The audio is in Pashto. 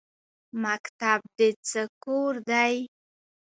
مکتب د څه کور دی؟